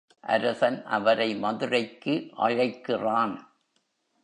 அரசன் அவரை மதுரைக்கு அழைக்கிறான்.